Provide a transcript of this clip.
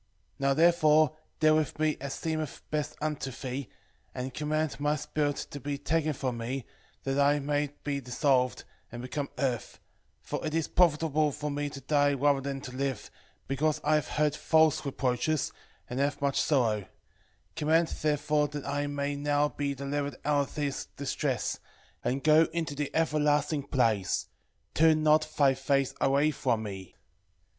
3:6 Now therefore deal with me as seemeth best unto thee, and command my spirit to be taken from me, that I may be dissolved, and become earth: for it is profitable for me to die rather than to live, because I have heard false reproaches, and have much sorrow: command therefore that I may now be delivered out of this distress, and go into the everlasting place: turn not thy face away from me.